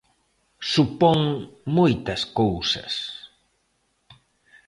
Supón moitas cousas.